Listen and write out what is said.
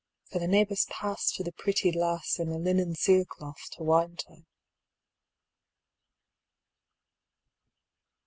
For the neighbors passTo the pretty lass, In a linen cere cloth to wind her.